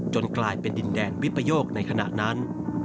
กลายเป็นดินแดนวิปโยคในขณะนั้น